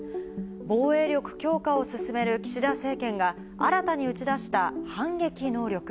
防衛力強化を進める岸田政権が、新たに打ち出した反撃能力。